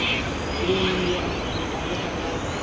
クリーニング屋の小椋さんだろ。